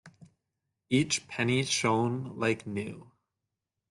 Each penny shone like new.